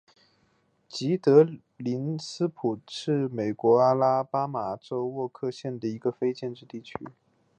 古德斯普林斯是位于美国阿拉巴马州沃克县的一个非建制地区。